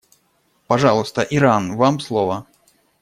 Пожалуйста, Иран, вам слово.